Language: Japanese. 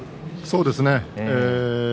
そうですね。